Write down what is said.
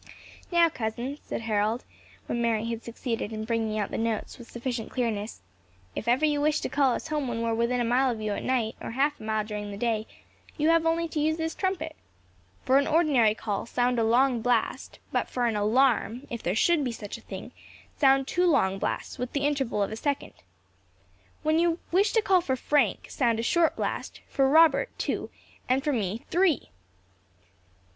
"Now, cousin," said Harold, when Mary had succeeded in bringing out the notes with sufficient clearness, "if ever you wish to call us home when we are within a mile of you at night, or half a mile during the day, you have only to use this trumpet. For an ordinary call, sound a long loud blast, but for an alarm, if there should be such a thing, sound two long blasts, with the interval of a second. When you wish to call for Frank, sound a short blast, for Robert two, and for me three.